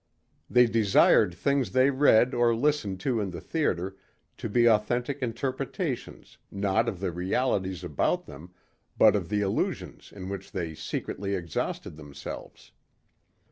They desired things they read or listened to in the theater to be authentic interpretations not of the realities about them but of the illusions in which they secretly exhausted themselves.